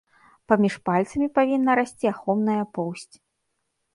Паміж пальцамі павінна расці ахоўная поўсць.